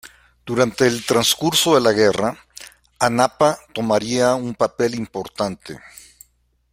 Durante el transcurso de la guerra, Anapa tomaría un papel importante.